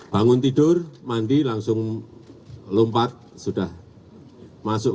bangun tidur mandi langsung lompat sudah masuk